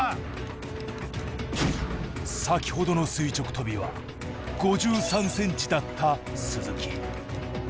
先ほどの垂直跳びは５３ｃｍだった鈴木。